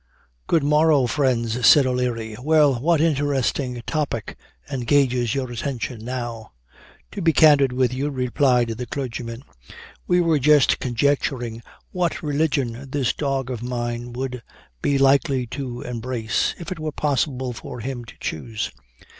"Good morrow, friends," said O'Leary. "Well, what interesting topic engages your attention now?" "To be candid with you," replied the clergyman, "we were just conjecturing what religion this dog of mine would be likely to embrace, if it were possible for him to choose."